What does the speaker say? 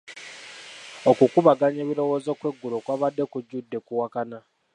Okukubaganya ebirowoozo kw'eggulo kwabadde kujjudde kuwakana.